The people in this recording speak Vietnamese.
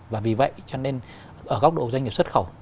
và vì vậy cho nên ở góc độ doanh nghiệp xuất khẩu